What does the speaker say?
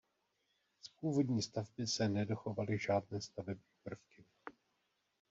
Z původní stavby se nedochovaly žádné stavební prvky.